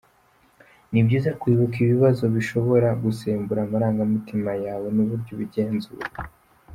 Ni byiza kwibuka ibibazo bishobora gusembura amarangamutima yawe n’uburyo ubigenzura.